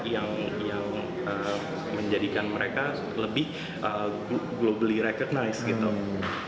yang menjadikan mereka lebih globally recognized gitu